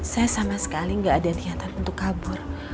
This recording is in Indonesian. saya sama sekali nggak ada niatan untuk kabur